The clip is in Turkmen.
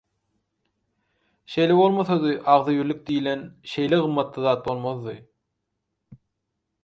Şeýle bolmasady agzybirlik diýlen, şeýle gymmatly zat bolmazdy.